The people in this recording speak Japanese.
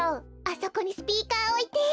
あそこにスピーカーおいて。